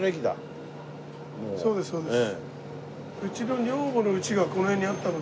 そうですそうです。